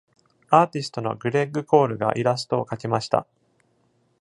アーティストのグレッグ・コールがイラストを描きました。